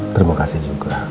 terima kasih juga